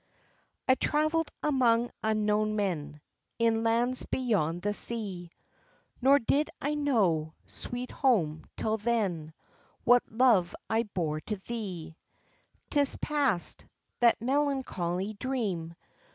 "I travelled among unknown men, In lands beyond the sea; Nor did I know, sweet home, till then, What love I bore to thee. "'Tis past, that melancholy dream!